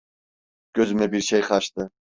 Gözüme bir şey kaçtı.